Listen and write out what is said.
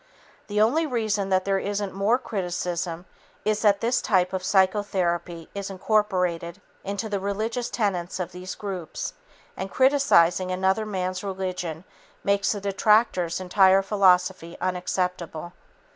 The only reason that there isn't more criticism is that this type of psychotherapy is incorporated into the religious tenets of these groups, and criticizing another man's religion makes the detractor's entire philosophy unacceptable.